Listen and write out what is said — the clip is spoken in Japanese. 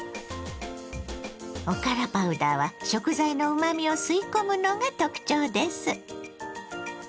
おからパウダーは食材のうまみを吸い込むのが特徴です。